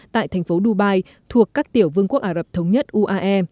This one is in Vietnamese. tại thành phố dubai thuộc các tiểu vương quốc ả rập thống nhất uae